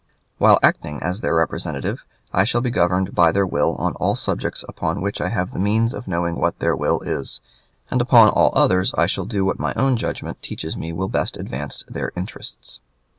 While acting as their representative I shall be governed by their will on all subjects upon which I have the means of knowing what their will is, and upon all others I shall do what my own judgment teaches me will best advance their interests.